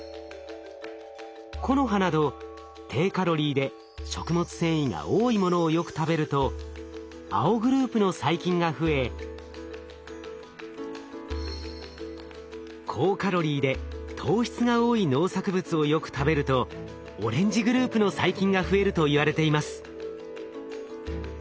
木の葉など低カロリーで食物繊維が多いものをよく食べると青グループの細菌が増え高カロリーで糖質が多い農作物をよく食べるとオレンジグループの細菌が増えるといわれています。